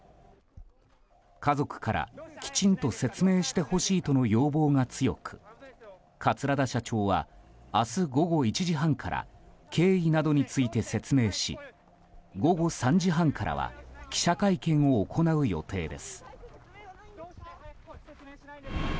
家族から、きちんと説明してほしいとの要望が強く桂田社長は明日午後１時半から経緯などについて説明し午後３時半からは記者会見を行う予定です。